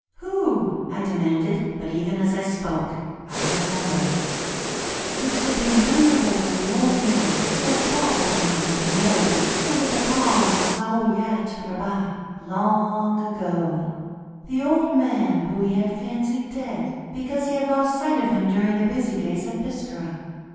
"Who?" I demanded; but even as I spoke, I remem bered. This could be none other than the old man who had taught Athman the melody under the palms of Zaouiat Ribah, long ago — the old man whom he had fancied dead, because he had lost sight of him during the busy days at Biskra.